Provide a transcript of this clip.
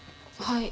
はい。